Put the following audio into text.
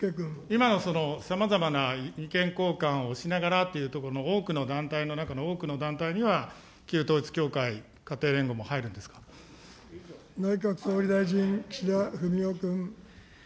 今のそのさまざまな意見交換をしながらというところで、多くの団体の中の多くの団体には、旧統一教会、家庭連合も入るんです内閣総理大臣、岸田文雄君。